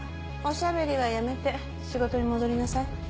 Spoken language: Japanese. おしゃべりはやめて仕事に戻りなさい。